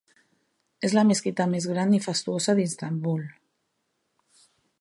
És la mesquita més gran i fastuosa d'Istanbul.